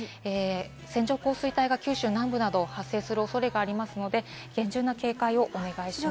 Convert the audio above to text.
線状降水帯が九州南部などで発生する恐れがありますので厳重な警戒をお願いします。